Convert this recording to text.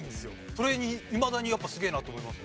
それにいまだにやっぱすげえなと思います。